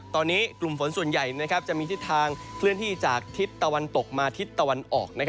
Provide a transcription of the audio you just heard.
ตอนนี้กลุ่มฝนส่วนใหญ่จะมีทิศทางเคลื่อนที่จากทิศตะวันตกมาทิศตะวันออก